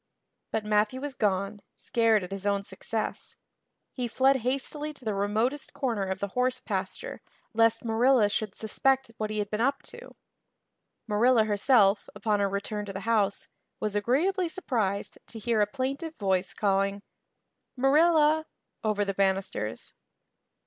But Matthew was gone, scared at his own success. He fled hastily to the remotest corner of the horse pasture lest Marilla should suspect what he had been up to. Marilla herself, upon her return to the house, was agreeably surprised to hear a plaintive voice calling, "Marilla" over the banisters.